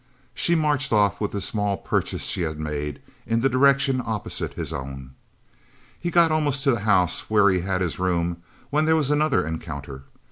She marched off with the small purchase she had made, in the direction opposite his own. He got almost to the house where he had his room, when there was another encounter.